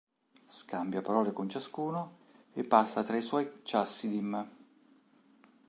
Scambia parole con ciascuno e passa tra i suoi chassidim.